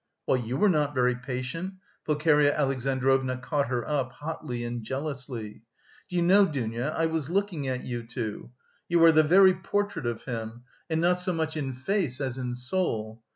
"Well, you were not very patient!" Pulcheria Alexandrovna caught her up, hotly and jealously. "Do you know, Dounia, I was looking at you two. You are the very portrait of him, and not so much in face as in soul.